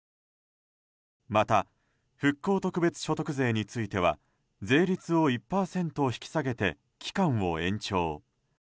また、復興特別所得税については税率を１％引き下げて期間を延長。